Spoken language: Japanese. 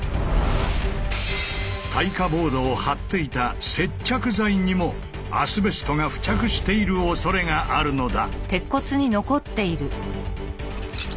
耐火ボードを貼っていた接着剤にもアスベストが付着しているおそれがあるのだ。